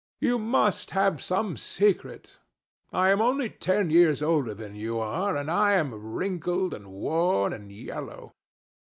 You must have some secret. I am only ten years older than you are, and I am wrinkled, and worn, and yellow.